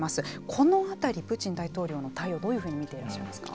この辺り、プーチン大統領の対応どういうふうに見ていらっしゃいますか。